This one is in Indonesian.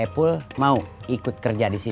hai caripul mau iki bor dipinggil